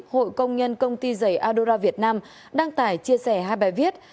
hội công nhân công ty giày adora việt nam đăng tải chia sẻ hai bài viết